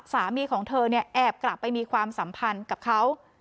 สามีของเธอเนี่ยแอบกลับไปมีความสัมพันธ์กับเขา